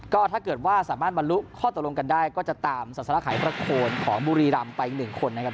ก็ถ้าเกิดว่าสามารถบรรลุข้อตกลงกันได้ก็จะตามศาสนาขายประโคนของบุรีรำไป๑คนนะครับ